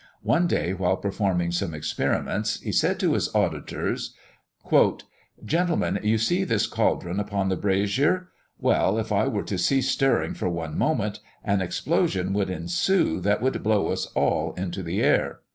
One day, while performing some experiments, he said to his auditors: "Gentlemen, you see this cauldron upon the brazier; well, if I were to cease stirring for one moment, an explosion would ensue, that would blow us all into the air."